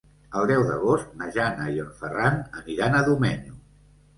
El deu d'agost na Jana i en Ferran aniran a Domenyo.